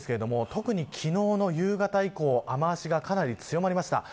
特に昨日の夕方以降雨脚がかなり強まりました。